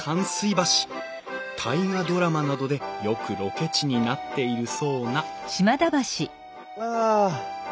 「大河ドラマ」などでよくロケ地になっているそうなあ。